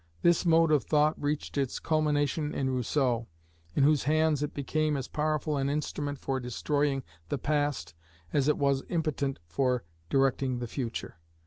This mode of thought reached its culmination in Rousseau, in whose hands it became as powerful an instrument for destroying the past, as it was impotent for directing the future.